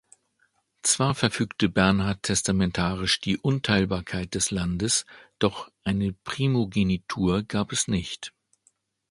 Zwar verfügte Bernhard testamentarisch die Unteilbarkeit des Landes, doch eine Primogenitur gab es nicht.